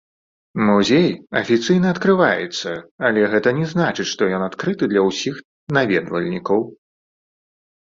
Музей афіцыйна адкрываецца, але гэта не значыць, што ён адкрыты для ўсіх наведвальнікаў.